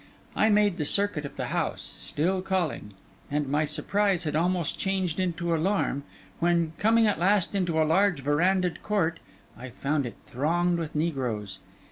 I made the circuit of the house, still calling: and my surprise had almost changed into alarm, when coming at last into a large verandahed court, I found it thronged with negroes.